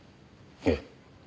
ええ。